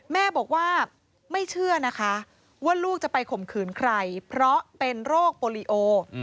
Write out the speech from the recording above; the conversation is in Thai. แม่บอกว่าไม่เชื่อนะคะว่าลูกจะไปข่มขืนใครเพราะเป็นโรคโปรลิโอ